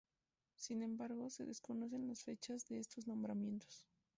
Sin embargo, se desconocen las fechas de estos nombramientos.